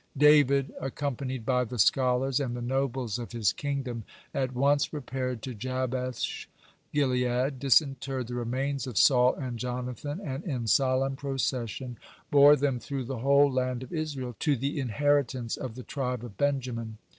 '" David, accompanied by the scholars and the nobles of his kingdom, at once repaired to Jabesh gilead, disinterred the remains of Saul and Jonathan, and in solemn procession bore them through the whole land of Israel to the inheritance of the tribe of Benjamin.